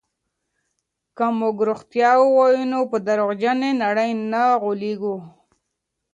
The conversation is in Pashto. که موږ رښتیا ووایو نو په درواغجنې نړۍ نه غولېږو.